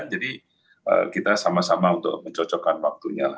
jadi kita sama sama untuk mencocokkan waktunya